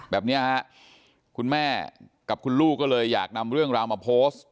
แบบนี้ฮะคุณแม่กับคุณลูกก็เลยอยากนำเรื่องราวมาโพสต์